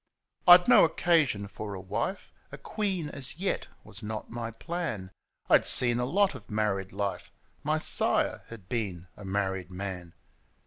I'd no occasion for a wife — A queen as yet was not my plan ; I'd seen a lot of married life — My sire had been a married man.